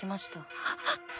はっ！